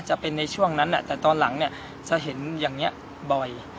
จะเป็นในช่วงนั้นแต่ตอนหลังจะเห็นอย่างนี้บ่อย